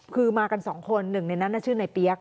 คือมากัน๒คนหนึ่งในนั้นน่าชื่อนายเปี๊ยก